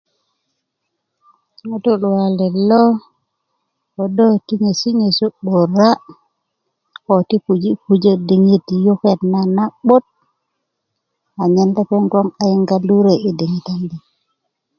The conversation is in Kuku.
ŋutu luwalet lo ködö ti nyesi' nyesu 'bura ko ti puji' pujö diŋit yuket naŋ na'but a nyen lepeŋ a yinga lure' i diŋit ta liŋ